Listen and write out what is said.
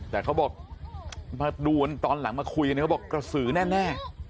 แต่เขาบอกมาดูตอนหลังมาคุยกันเนี่ยเขาบอกกระสือแน่